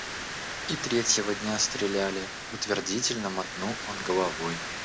И третьего дня стреляли, — утвердительно мотнул он головой.